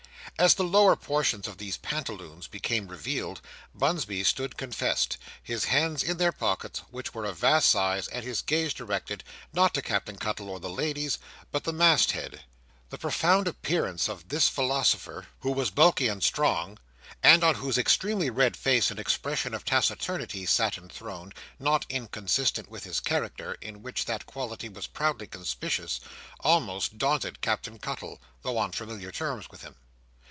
As the lower portions of these pantaloons became revealed, Bunsby stood confessed; his hands in their pockets, which were of vast size; and his gaze directed, not to Captain Cuttle or the ladies, but the mast head. The profound appearance of this philosopher, who was bulky and strong, and on whose extremely red face an expression of taciturnity sat enthroned, not inconsistent with his character, in which that quality was proudly conspicuous, almost daunted Captain Cuttle, though on familiar terms with him.